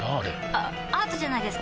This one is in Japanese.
あアートじゃないですか？